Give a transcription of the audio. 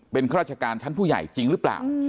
เป็นข้าราชการชั้นผู้ใหญ่จริงหรือเปล่า